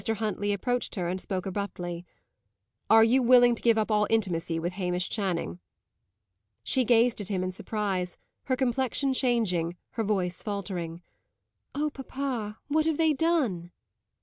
Huntley approached her and spoke abruptly. "Are you willing to give up all intimacy with Hamish Channing?" She gazed at him in surprise, her complexion changing, her voice faltering. "Oh, papa! what have they done?"